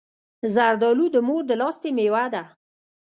زردالو د مور د لاستی مېوه ده.